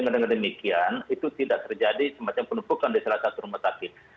dengan demikian itu tidak terjadi semacam penumpukan di salah satu rumah sakit